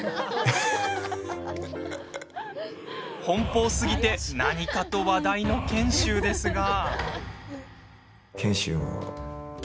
奔放すぎて何かと話題の賢秀ですが。